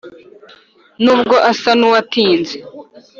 n’ubwo asa n’uwatinze